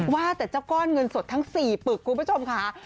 ว่าแต่เจ้าก้อนเงินสดทั้ง๔ปึกคุณผู้ชมค่ะ